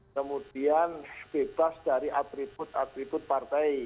kemudian bebas dari atribut atribut partai